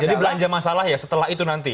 jadi belanja masalah ya setelah itu nanti